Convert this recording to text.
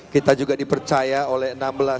kita juga dipercaya oleh enam belas